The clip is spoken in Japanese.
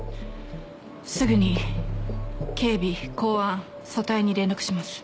すぐに警備公安組対に連絡します。